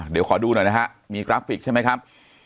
เดี๋ยวขอดูหน่อยนะฮะมีกราฟิกใช่ไหมครับ